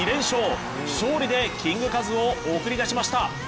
勝利でキングカズを送り出しました。